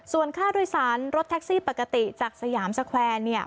ส่วนค่าโดยสารรถแท็กซี่ปกติจากสยามสแควร์เนี่ย